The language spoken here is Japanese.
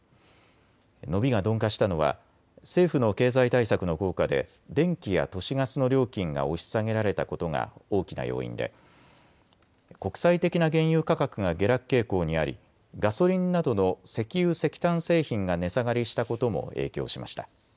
伸びが鈍化したのは政府の経済対策の効果で電気や都市ガスの料金が押し下げられたことが大きな要因で国際的な原油価格が下落傾向にありガソリンなどの石油・石炭製品が値下がりしたことも影響しました。